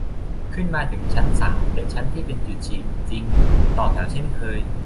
ขึ้นมาถึงชั้นสาม เป็นชั้นที่เป็นจุดฉีดจริง ต่อแถวเช่นเคย